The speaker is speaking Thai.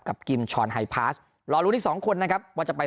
กิมชอนไฮพาสรอรุ้นที่สองคนนะครับว่าจะไป